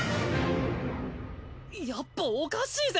やっぱおかしいぜ！